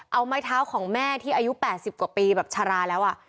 เอาไม้เท้าของแม่ที่อายุ๘๐กว่าปีแบบชะลาแล้ว